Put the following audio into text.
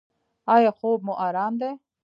ایا خوب مو ارام دی؟